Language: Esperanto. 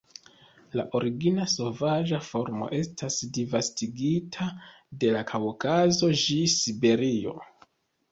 La origina sovaĝa formo estas disvastigita de la Kaŭkazo ĝis Siberio.